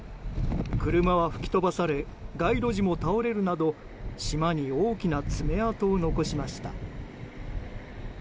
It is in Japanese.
車は吹き飛ばされ街路樹も倒れるなど島に大きな爪痕を残しました。